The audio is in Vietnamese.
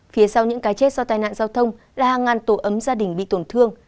phía sau những cái chết do tai nạn giao thông là hàng ngàn tổ ấm gia đình bị tổn thương